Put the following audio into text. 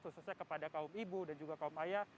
khususnya kepada kaum ibu dan juga kaum ayah